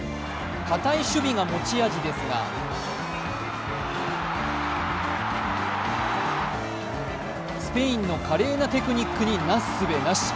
堅い守備が持ち味ですがスペインの華麗なテクニックになすすべなし。